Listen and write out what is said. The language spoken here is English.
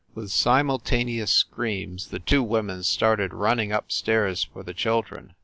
With simultaneous screams, the two women started running up stairs for the children.